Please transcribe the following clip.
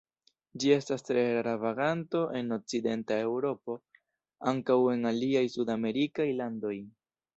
Ĝi estas tre rara vaganto en okcidenta Eŭropo; ankaŭ en aliaj sudamerikaj landoj.